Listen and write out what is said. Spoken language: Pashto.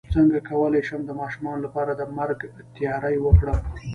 څنګه کولی شم د ماشومانو لپاره د مرګ تیاری وکړم